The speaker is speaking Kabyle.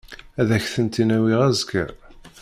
Ad ak-ten-in-awiɣ azekka.